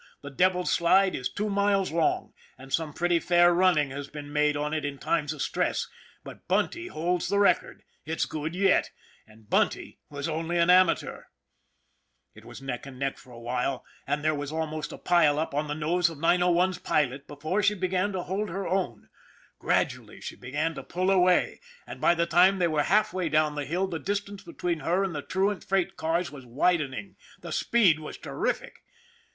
The Devil's Slide is two miles long, and some pretty fair running has been made on it in times of stress; but Bunty holds the record, it's good yet, and Bunty was only an amateur ! It was neck and neck for a while, and there was al most a pile up on the nose of 901 's pilot before she began to hold her own. Gradually she began to pull away, and by the time they were half way down the hill the distance between her and the truant freight cars was widening. The speed was terrific.